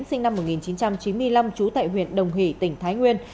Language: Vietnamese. sinh năm một nghìn chín trăm chín mươi năm trú tại huyện đồng hỷ tỉnh thái nguyên